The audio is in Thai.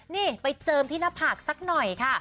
นี่ไปเจิมที่หน้าผากสักหน่อยค่ะ